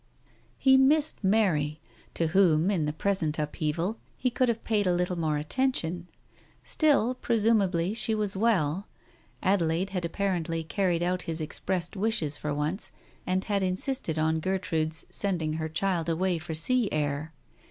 ... He missed Mary, to whom, in the present upheaval, he could have paid a little more attention. Still, presumably she was well. Adelaide had apparently carried out his expressed wishes for once, and had insisted on Gertrude's sending her child away for sea air.